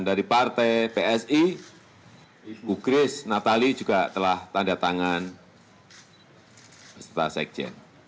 dari partai pkpi bapak s num enam puluh delapan of bandar perintah juga telah tanda tangan beserta sekjen